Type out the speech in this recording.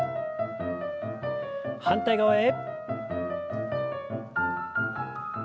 反対側へ。